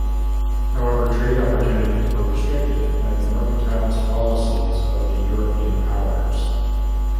However, trade opportunities were restricted by the mercantilist policies of the European powers.